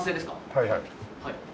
はいはい。